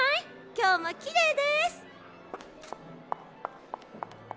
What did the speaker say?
今日もきれいです。